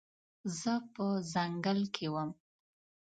زه په ځنګل کې وم